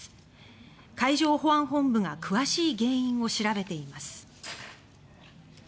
海上保安本部が詳しい原因を調べています。